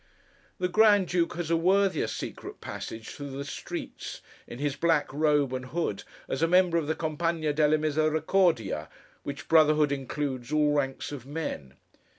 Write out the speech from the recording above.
The Grand Duke has a worthier secret passage through the streets, in his black robe and hood, as a member of the Compagnia della Misericordia, which brotherhood includes all ranks of men.